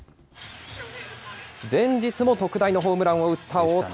前日も特大のホームランを打った大谷。